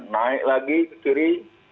naik lagi ke kiri